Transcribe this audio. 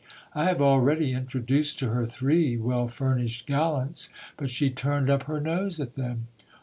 I have already introduced to her three well furnished gal 92 GIL BLAS. lants, but she turned up her nose at them.